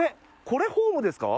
これがホームですね。